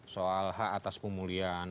soal hak atas pemulihan